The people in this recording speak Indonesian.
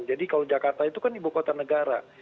jadi kalau jakarta itu kan ibu kota negara